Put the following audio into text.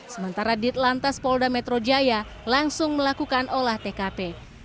sementara ditlantas polda metro jaya langsung melakukan olah tkp